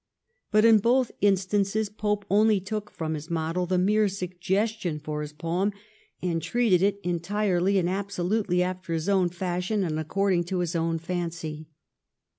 But in both instances Pope only took from his model the mere suggestion for his poem, and treated it entirely and absolutely after his own fashion and according to his own fancy.